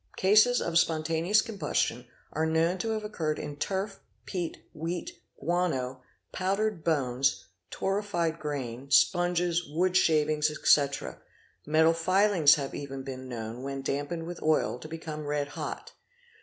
Cases of spontaneous combustion are known 856 ARSON to have occured in turf, peat, wheat, guano, powdered bones, torrified grain, sponges, wood shavings, etc.; metal filings have even been known, when damped with oil, to become red hot.